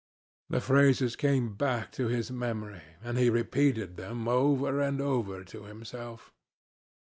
The phrases came back to his memory, and he repeated them over and over to himself.